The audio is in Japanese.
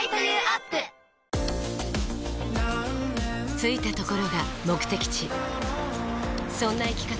着いたところが目的地そんな生き方